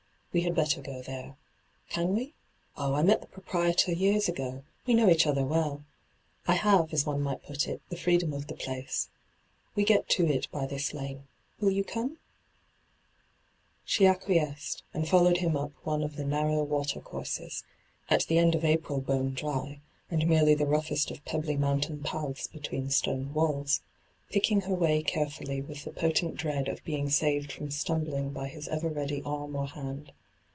' We had better go there. Can we ? Oh, I met the proprietor years ago ; we know each other well. I have, as one might put it, the freedom of the place. We get to it by thia lane. Will you come V She acquiesced, and followed him up one of the narrow water courses — at the end of April bone dry, and merely the roughest of pebbly mountain paths between stone walls — picking her way carefully with the potent dread of being saved from stumbling by his ever ready arm or hand.